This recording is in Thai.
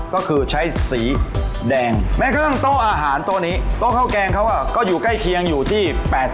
ก็คือใช้สีแดงแม้กระทั่งโต๊ะอาหารโต๊ะนี้โต๊ะข้าวแกงเขาก็อยู่ใกล้เคียงอยู่ที่๘๐